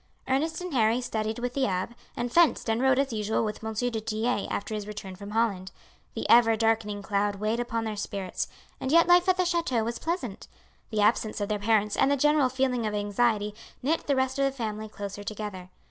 Ernest and Harry studied with the abbe, and fenced and rode as usual with M. du Tillet after his return from Holland. The ever darkening cloud weighed upon their spirits, and yet life at the chateau was pleasant. The absence of their parents and the general feeling of anxiety knit the rest of the family closer together.